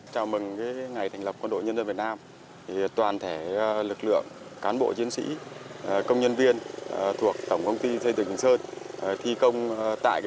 chào mừng ngày thành lập quân đội nhân dân việt nam